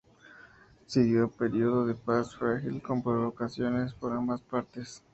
Siguió un periodo de paz frágil con provocaciones por ambas partes.